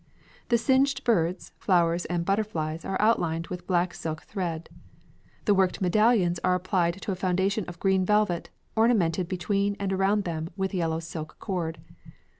The singed birds, flowers, and butterflies are outlined with black silk thread. The worked medallions are applied to a foundation of green velvet, ornamented between and around them with yellow silk cord.